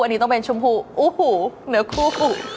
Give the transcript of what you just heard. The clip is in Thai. อันนี้ต้องเป็นชมพูโอ้โหเนื้อคู่